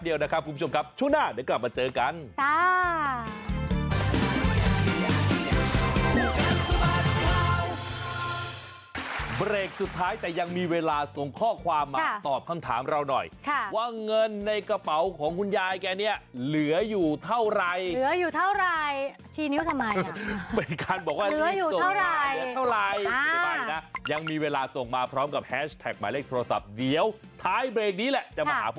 เดี๋ยวเราจะพักกันอีกแปรบเดียวนะคะคุณผู้ชมครับช่วงหน้าเดี๋ยวกลับมาเจอกัน